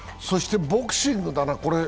そしてボクシングだな。